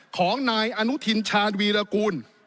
ของนายอนุทินชาญวีรกูล